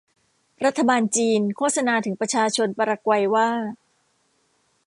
รัฐบาลจีนโฆษณาถึงประชาชนปารากวัยว่า